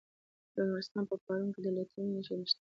د نورستان په پارون کې د لیتیم نښې شته.